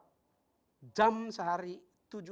tujuh hari seminggu memonitor ruang digital